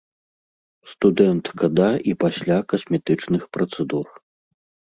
Студэнтка да і пасля касметычных працэдур.